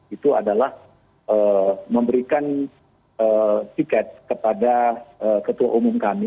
itu adalah memberikan tiket kepada ketua umum kami